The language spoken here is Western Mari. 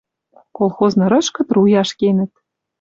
Колхоз нырышкы труяш кенӹт